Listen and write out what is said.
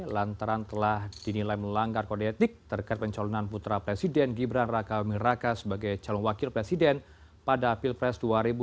lantaran telah dinilai melanggar kode etik terkait pencalonan putra presiden gibran raka miraka sebagai calon wakil presiden pada pilpres dua ribu dua puluh